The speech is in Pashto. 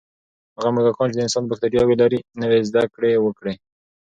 هغه موږکان چې د انسان بکتریاوې لري، نوې زده کړې وکړې.